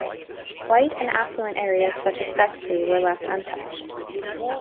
White and affluent areas such as Bexley were left untouched.